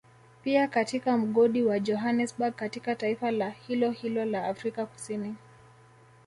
Pia katika mgodi wa Johanesberg katika taifa la hilohilo la Afrika kusini